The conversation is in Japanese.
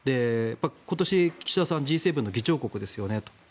今年、岸田さんはＧ７の議長国ですよねと。